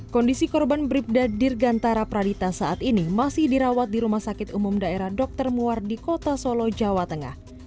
kondisi korban bribda dirgantara pradita saat ini masih dirawat di rumah sakit umum daerah dr muar di kota solo jawa tengah